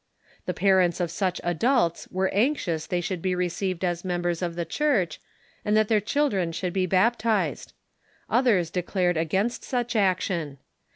The parents of such adults were anxious they should be received as members of the Church, and that their children should be baptized. Others declared against such ac tion.